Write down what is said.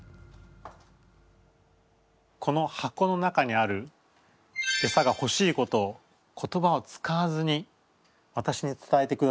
この箱の中にあるエサがほしいことを言葉を使わずにわたしに伝えてください。